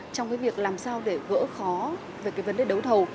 trong việc làm sao để vỡ khó về vấn đề đấu thầu